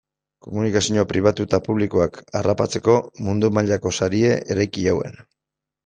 Komunikazio pribatu eta publikoak harrapatzeko mundu mailako sarea eraiki zuten.